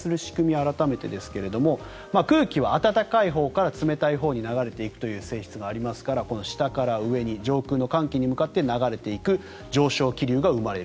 改めてですが空気は暖かいほうから冷たいほうに流れていくという性質がありますから下から上に、上空の寒気に向かって流れていく上昇気流が生まれる。